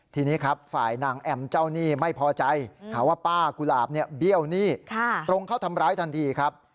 ทีนี้ครับฝ่ายนางแอมเจ้าหนี้ไม่พอใจหาว่าป้ากุหลาบเนี่ยเบี้ยวหนี้ตรงเข้าทำร้ายทันทีครับ